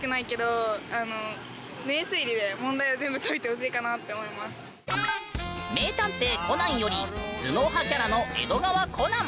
続いては「名探偵コナン」より頭脳派キャラの江戸川コナン！